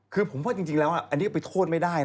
คือผมว่าจริงแล้วอันนี้ไปโทษไม่ได้นะ